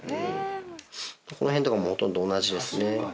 この辺とかもほとんど同じですね。